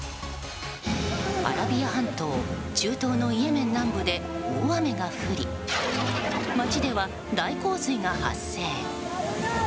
アラビア半島中東のイエメン南部で大雨が降り街では大洪水が発生。